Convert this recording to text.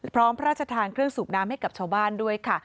พระราชทานเครื่องสูบน้ำให้กับชาวบ้านด้วยค่ะ